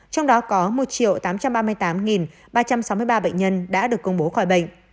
trong đó có một tám trăm ba mươi tám ba trăm sáu mươi ba bệnh nhân đã được công bố khỏi bệnh